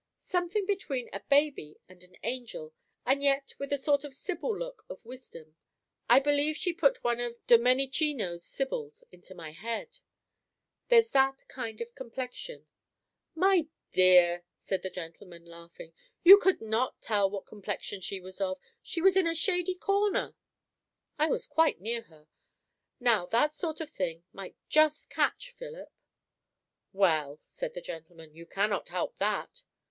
"Something between a baby and an angel, and yet with a sort of sybil look of wisdom. I believe she put one of Domenichino's sybils into my head; there's that kind of complexion " "My dear," said the gentleman, laughing, "you could not tell what complexion she was of. She was in a shady corner." "I was quite near her. Now that sort of thing might just catch Philip." "Well," said the gentleman, "you cannot help that."